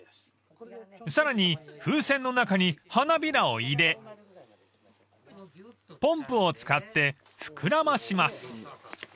［さらに風船の中に花びらを入れポンプを使って膨らまします］